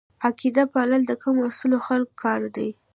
عقده پالل د کم اصلو خلکو کار دی.